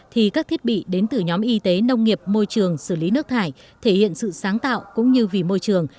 thì các thiết bị đến từ nhóm y tế nông nghiệp môi trường xử lý nước thải thể hiện sự sáng tạo cũng như vì môi trường